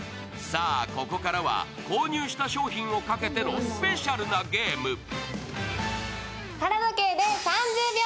さあ、ここからは購入した商品をかけてのスペシャルなゲーム。